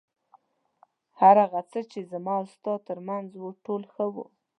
هر هغه څه چې زما او ستا تر منځ و ټول ښه وو.